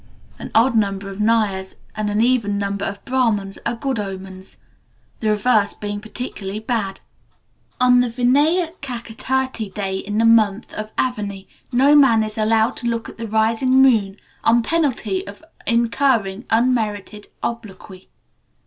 An odd number of Nayars, and an even number of Brahmans, are good omens, the reverse being particularly bad. On the Vinayakachaturthi day in the month of Avani, no man is allowed to look at the rising moon, on penalty of incurring unmerited obloquy.